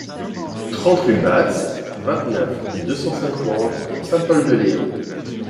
trente rue de Batz, vingt-neuf, deux cent cinquante, Saint-Pol-de-Léon